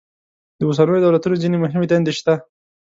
د اوسنیو دولتونو ځینې مهمې دندې شته.